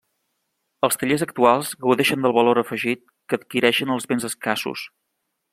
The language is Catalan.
Els tallers actuals gaudeixen del valor afegit que adquireixen els béns escassos.